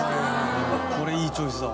これいいチョイスだわ。